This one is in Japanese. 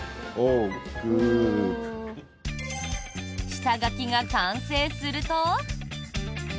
下描きが完成すると。